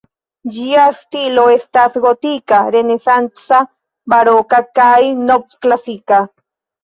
Ĝia stilo estas gotika, renesanca, baroka kaj novklasika.